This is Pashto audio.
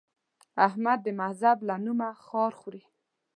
احمد د مذهب له نومه خار خوري.